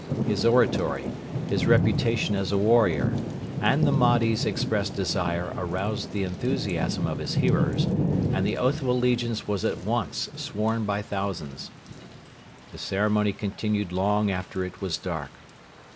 His oratory, his reputation as a warrior, and the Mahdi's expressed desire aroused the enthusiasm of his hearers, and the oath of allegiance was at once sworn by thousands. The ceremony continued long after it was dark.